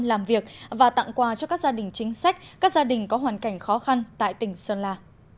làm việc và tặng quà cho các gia đình chính sách các gia đình có hoàn cảnh khó khăn tại tỉnh sơn la